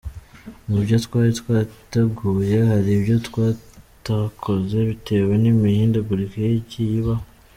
Mu byo twari twateguye hari ibyo tutakoze bitewe n’imihindagurikire yagiye ibaho.